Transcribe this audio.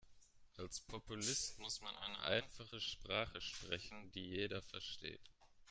Als Populist muss man eine einfache Sprache sprechen, die jeder versteht.